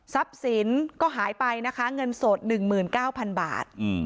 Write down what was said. สินก็หายไปนะคะเงินสด๑๙๐๐บาท